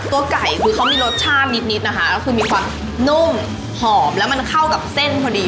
ตัวไก่คือเขามีรสชาตินิดนะคะก็คือมีความนุ่มหอมแล้วมันเข้ากับเส้นพอดี